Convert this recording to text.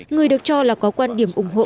người được cho là có quan điểm ủng hộ